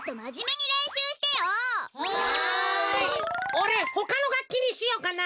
おれほかのがっきにしようかな。